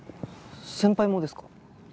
先輩もですか？